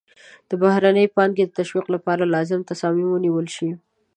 د بهرنۍ پانګې د تشویق لپاره لازم تصامیم ونیول شي.